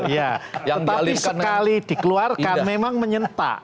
ya tetapi sekali dikeluarkan memang menyentak